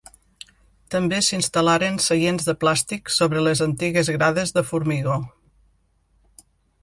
També s'instal·laren seients de plàstic sobre les antigues grades de formigó.